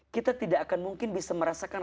kita tidak akan mungkin bisa merasakan